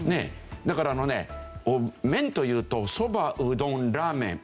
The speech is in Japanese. だから麺というとそばうどんラーメン